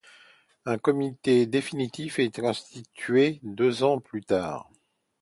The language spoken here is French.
Un comité définitif est institué deux ans plus tard.